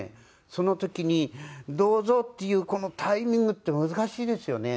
その時に「どうぞ」って言うこのタイミングって難しいですよね。